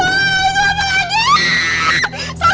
sakti itu lagi sakti